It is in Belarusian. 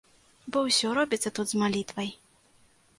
Бо ўсё робіцца тут з малітвай.